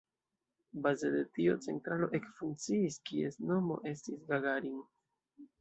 Baze de tio centralo ekfunkciis, kies nomo estis Gagarin.